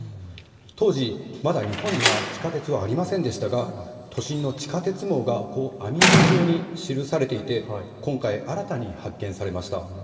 当時まだ日本には地下鉄はありませんでしたが都心の地下鉄網がこう網目状に記されていて今回、新たに発見されました。